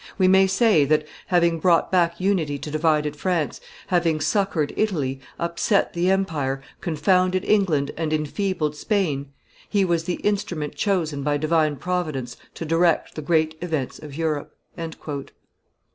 We may say that, having brought back unity to divided France, having succored Italy, upset the empire, confounded England, and enfeebled Spain, he was the instrument chosen by divine Providence to direct the great events of Europe."